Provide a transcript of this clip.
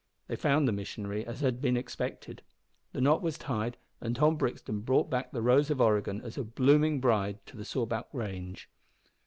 They found the missionary as had been expected. The knot was tied, and Tom Brixton brought back the Rose of Oregon as a blooming bride to the Sawback range.